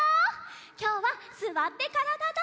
きょうは「すわってからだ☆ダンダン」。